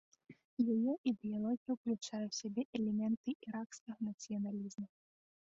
Яе ідэалогія ўключае ў сябе элементы іракскага нацыяналізму.